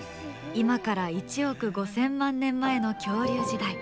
今から１億５０００万年前の恐竜時代。